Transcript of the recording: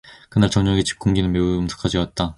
그날 저녁 영숙의 집 공기는 매우 엄숙하여지었다.